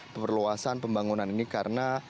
perluasan pembangunan ini karena